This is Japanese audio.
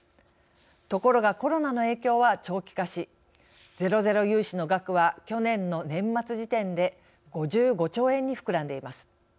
ところがコロナの影響は長期化しゼロゼロ融資の額は去年の年末時点で５５兆円に膨らんでいます。